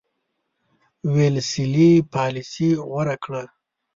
ویلسلي پالیسي غوره کړه.